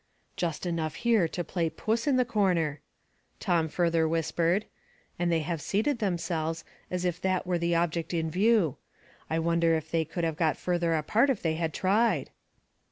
" Just enough here to play puss in the corner," 70 Household Puzzles, Tom further whispered ;" and they have seated themselves as if that were the object in view. I wonder if they could have got farther apart if they had tried